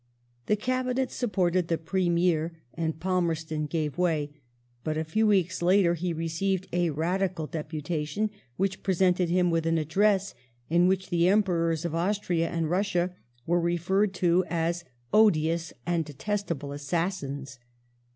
The Cabinet supported the Premier, and Palmerston gave way ; but a few weeks later he received a Radical deputation which presented him with an address in which the Emperoi s of Austria and Russia were referred to as "odious and detestable assassins".